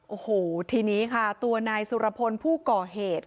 โอ้โหทีนี้ค่ะตัวนายสุรพลผู้ก่อเหตุ